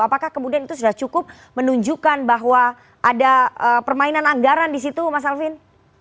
apakah kemudian itu sudah cukup menunjukkan bahwa ada permainan anggaran di situ mas alvin